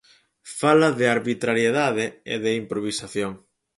Fala de arbitrariedade e de improvisación.